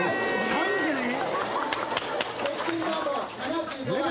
３２！？